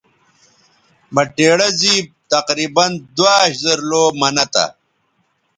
بٹیڑہ زِیب تقریباً دواش زر لَو منہ تھا